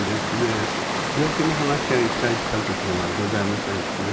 病気の話は一切したことはございませんしね。